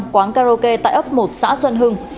quán karaoke tại ốc một xã xuân hưng